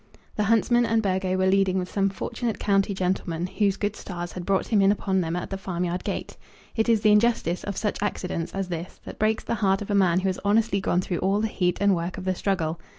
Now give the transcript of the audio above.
The huntsman and Burgo were leading with some fortunate county gentleman whose good stars had brought him in upon them at the farmyard gate. It is the injustice of such accidents as this that breaks the heart of a man who has honestly gone through all the heat and work of the struggle!